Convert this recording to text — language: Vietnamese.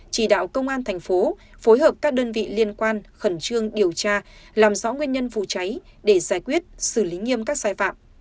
chỉ đạo công an thành phố phối hợp các đơn vị liên quan khẩn trương điều tra làm rõ nguyên nhân vụ cháy để giải quyết xử lý nghiêm các sai phạm